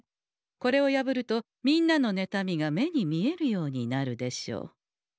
これを破るとみんなのねたみが目に見えるようになるでしょう。